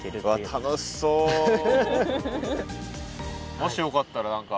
もしよかったら何か。